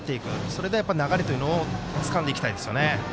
それで流れというのをつかんでいきたいですよね。